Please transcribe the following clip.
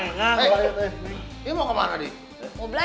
deket sama allah